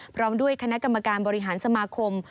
พร้อมด้วยคณะกรรมการบริหารสมาคม